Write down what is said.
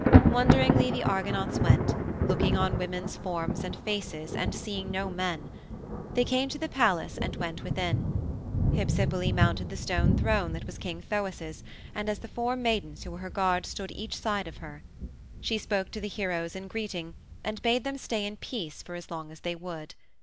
Wonderingly the Argonauts went, looking on women's forms and faces and seeing no men. They came to the palace and went within. Hypsipyle mounted the stone throne that was King Thoas's and the four maidens who were her guards stood each side of her. She spoke to the heroes in greeting and bade them stay in peace for as long as they would.